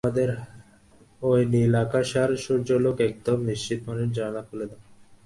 ঐ নীল আকাশ আর সূর্যালোক একদম নিশ্চিত মনের জানালা খুলে দাও!